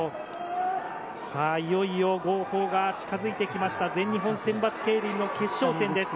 いよいよ号砲が近づいてきました、全日本選抜競輪の決勝戦です。